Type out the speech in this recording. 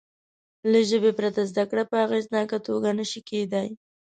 له ژبې پرته زده کړه په اغېزناکه توګه نه شي کېدای.